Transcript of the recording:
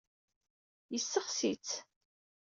Yessexsi-tt.